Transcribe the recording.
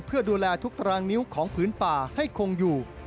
เพื่อดูแลทุกตารางนิ้วของพื้นป่าให้คงอยู่